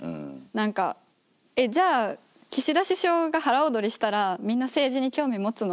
何かえっじゃあ岸田首相が腹踊りしたらみんな政治に興味持つの。